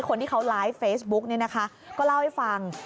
คนที่เขาไลฟ์เฟซบุ๊กเนี่ยนะคะก็เล่าให้ฟัง